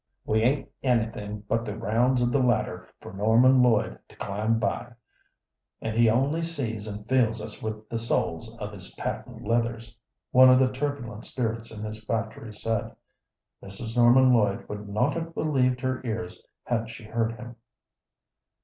"We ain't anything but the rounds of the ladder for Norman Lloyd to climb by, and he only sees and feels us with the soles of his patent leathers," one of the turbulent spirits in his factory said. Mrs. Norman Lloyd would not have believed her ears had she heard him.